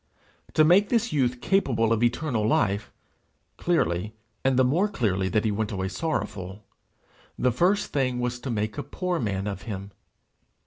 To make this youth capable of eternal life, clearly and the more clearly that he went away sorrowful the first thing was to make a poor man of him!